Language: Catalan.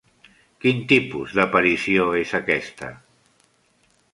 Quin tipus d'aparició és aquesta?